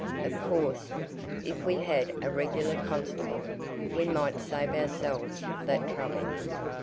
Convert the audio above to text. Of course, if we had a regular constable we might save ourselves that trouble."